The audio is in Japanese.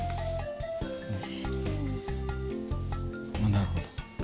なるほど。